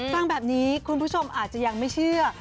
ฟังแบบนี้คุณผู้ชมอาจจะยังไม่เชื่อ